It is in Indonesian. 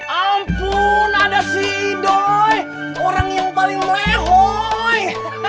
ampun ada si idoi orang yang paling lehoi